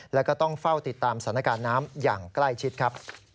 แล้วก็ต้องเฝ้าติดตามสถานการณ์น้ำอย่างใกล้ชิดครับ